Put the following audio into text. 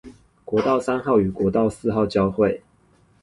國道三號與國道四號交會